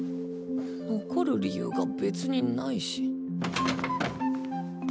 残る理由が別にないし。